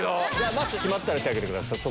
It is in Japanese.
まっすー決まったら手上げてください。